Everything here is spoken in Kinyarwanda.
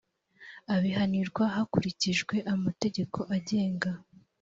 abihanirwa hakurikijwe amategeko agenga